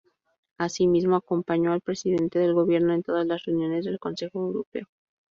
Asimismo, acompañó al Presidente del Gobierno en todas las reuniones del Consejo Europeo.